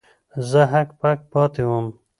زه هک پک پاتې وم.